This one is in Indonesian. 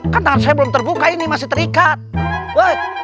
kan saya belum terbuka ini masih terikat woi